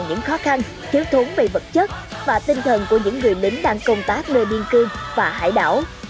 những khó khăn thiếu thốn về vật chất và tinh thần của những người lính đang công tác nơi biên cương và hải đảo